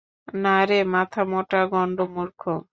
নারে, মাথা মোটা গন্ডমূর্খ!